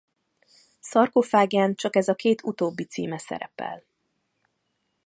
Szarkofágján csak ez a két utóbbi címe szerepel.